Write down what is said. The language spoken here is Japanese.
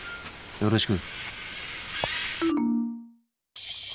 よろしく。